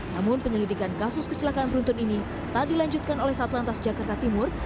namun penyelidikan kasus kecelakaan beruntun ini tak dilanjutkan oleh satlantas jakarta timur